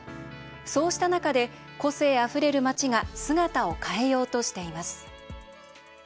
そうした中で、個性あふれる街が姿を変えようとしています。